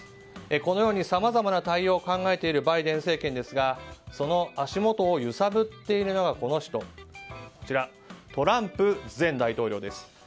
このようにさまざまな対応を考えているバイデン政権ですがその足元を揺さぶっているのがこの人、トランプ前大統領です。